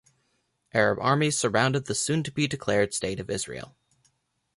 Arab armies surrounded the soon-to-be declared State of Israel.